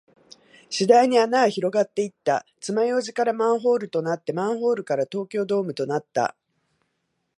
次第に穴は広がっていった。爪楊枝からマンホールとなって、マンホールから東京ドームとなった。